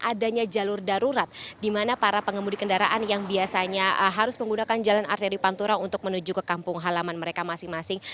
adanya jalur darurat di mana para pengemudi kendaraan yang biasanya harus menggunakan jalan arteri pantura untuk menuju ke kampung halaman mereka masing masing